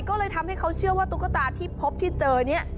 ก็เลยทำให้เขาเชื่อว่าตุ๊กตาที่พบที่เจอเนี่ย